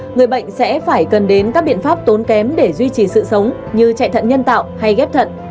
người bệnh sẽ phải cần đến các biện pháp tốn kém để duy trì sự sống như chạy thận nhân tạo hay ghép thận